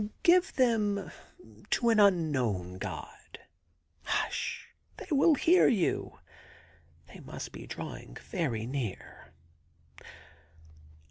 * Give them to the unknown God. '* Hush !— ^they will hear you : they must be drawing very near.